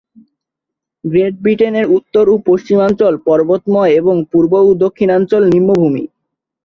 Great ব্রিটেনের উত্তর ও পশ্চিমাঞ্চল পর্বতময় এবং পূর্ব ও দক্ষিণাঞ্চল নিম্নভূমি।